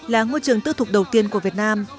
là ngôi trường tư thục đầu tiên của việt nam